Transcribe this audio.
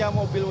jangan tells me